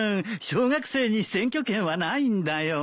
小学生に選挙権はないんだよ。